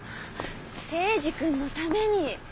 征二君のために。